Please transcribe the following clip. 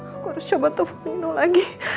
aku harus coba telepon nino lagi